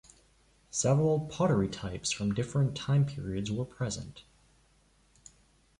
Several pottery types from different time periods were present.